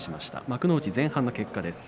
幕内前半の結果です。